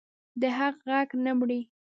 د حق غږ نه مري